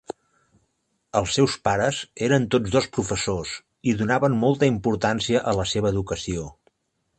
Els seus pares eren tots dos professors i donaven molta importància a la seva educació.